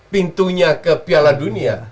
pintunya ke piala dunia